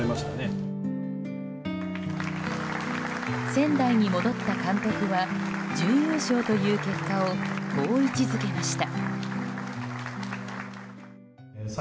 仙台に戻った監督は準優勝という結果をこう位置付けました。